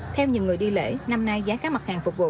theo nhiều người đi lễ năm nay giá các mặt hàng phục vụ